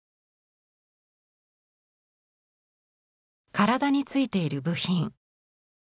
体についている部品。